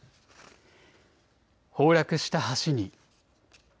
崩落した橋に。